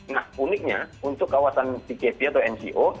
nah uniknya untuk kawasan pkp atau ngo